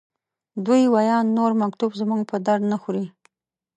د وي ویان نور مکتوب زموږ په درد نه خوري.